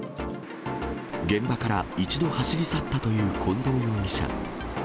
現場から一度走り去ったという近藤容疑者。